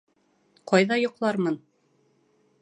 Ҡайҙа йоҡлармын?